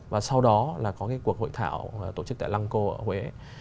và sau đó là có cuộc hội thảo tổ chức tại lang co ở huế